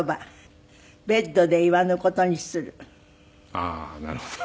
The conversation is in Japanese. ああーなるほど。